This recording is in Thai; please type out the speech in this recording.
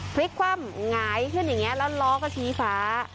พลิกคว่ำหงายขึ้นอย่างนี้แล้วล้อก็ชี้ฟ้า